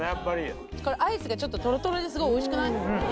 これアイスがちょっとトロトロですごいおいしくない？